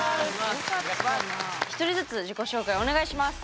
１人ずつ自己紹介をお願いします。